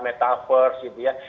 metaverse gitu ya